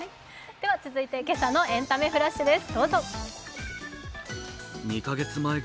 続いて「けさのエンタメフラッシュ」です。